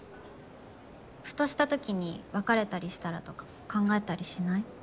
ふとしたときに別れたりしたらとか考えたりしない？